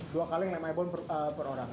dua kaleng lem ibon per orang